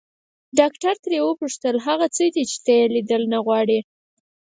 ډاکټر ترې وپوښتل هغه څه دي چې ته يې ليدل نه غواړې.